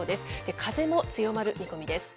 風も強まる見込みです。